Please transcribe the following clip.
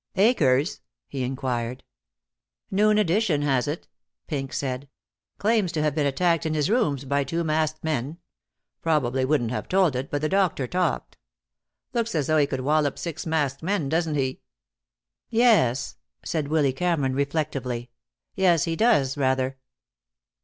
"Akers?" he inquired. "Noon edition has it," Pink said. "Claims to have been attacked in his rooms by two masked men. Probably wouldn't have told it, but the doctor talked. Looks as though he could wallop six masked men, doesn't he?" "Yes," said Willy Cameron, reflectively. "Yes; he does, rather."